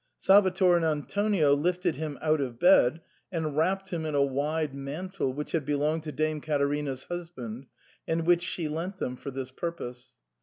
Salvator and Antonio lifted him out of bed and wrapped him in a wide mantle which had belonged to Dame Caterina's husband, and which she lent them for this purpose.